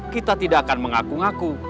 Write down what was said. kita tidak akan mengaku ngaku